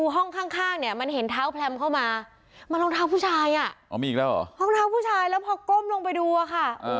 รองเท้าผู้ชายแล้วพอก้มลงไปดูอ่ะค่ะ